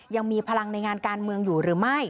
ยังมีพลังในงานการเมืองอยู่หรือไม่